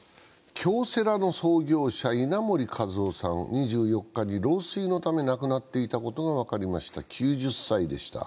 京セラの創業者、稲盛和夫さん、２４日に老衰のため亡くなっていたことが分かりました、９０歳でした。